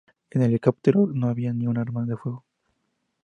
En el helicóptero no había ni un arma de fuego.